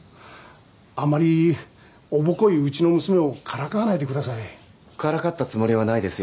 あんまりおぼこいうちの娘をからかわないでくださいからかったつもりはないですよ